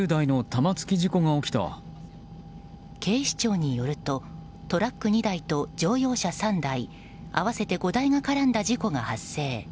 警視庁によるとトラック２台と乗用車３台合わせて５台が絡んだ事故が発生。